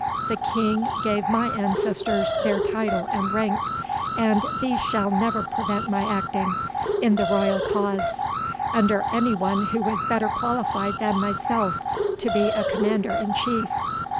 The King gave my ancestors their title and rank; and these shall never prevent my acting, in the royal cause, under any one who is better qualified than myself to be a commander in chief.